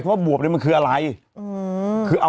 แต่อาจจะส่งมาแต่อาจจะส่งมา